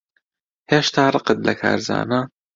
هێشتا ڕقت لە کارزانە؟